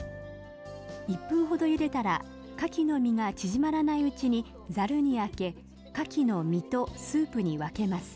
１分ほどゆでたらかきの身が縮まらないうちにざるにあけかきの身とスープに分けます。